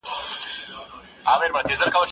زه پرون سندري واورېدلې!.